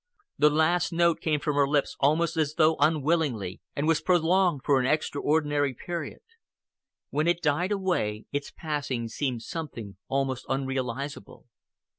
The last note came from her lips almost as though unwillingly, and was prolonged for an extraordinary period. When it died away, its passing seemed something almost unrealizable.